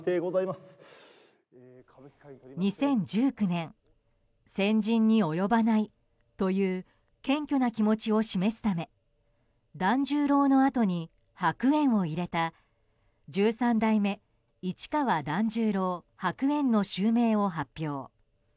２０１９年先人に及ばないという謙虚な気持ちを示すため團十郎のあとに白猿を入れた十三代目市川團十郎白猿の襲名を発表。